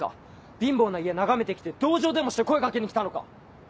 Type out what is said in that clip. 貧乏な家眺めてきて同情でもして声かけに来たのか？